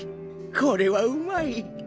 これはうまい！